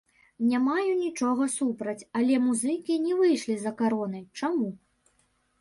Не маю нічога супраць, але музыкі не выйшлі за каронай, чаму?